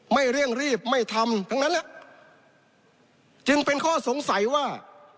เร่งรีบไม่ทำทั้งนั้นแหละจึงเป็นข้อสงสัยว่า